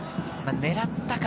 狙ったか？